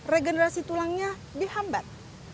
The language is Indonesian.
regenerasi tulangnya dihambat